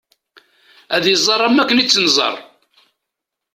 Ad iẓer am akken i tt-nẓer.